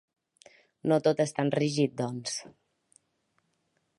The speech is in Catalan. No tot és tan rígid, doncs.